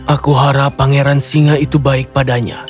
aku harap pangeran singa itu baik padanya